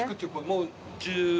もう。